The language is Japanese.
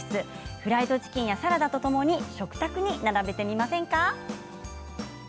フライドチキンやサラダとともに食卓に並べてみませんか。